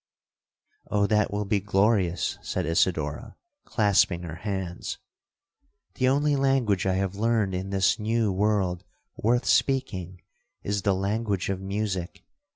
'—'Oh that will be glorious!' said Isidora, clasping her hands; 'the only language I have learned in this new world worth speaking, is the language of music.